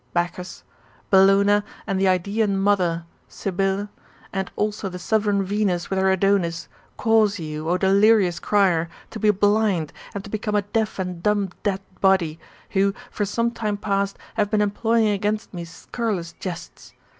Bacchus], Bellona, and the Idaean mother [Cybele], and also the sovereign Venus with her Adonis, cause you, O delirious crier, to be blind, and to become a deaf and dumb dead body, who, for some time past, have been employing against me scurrilous jests.